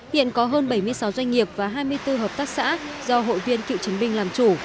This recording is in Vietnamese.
hiện có hơn bảy mươi sáu doanh nghiệp và hai mươi bốn hợp tác xã do hội viên cựu chiến binh làm chủ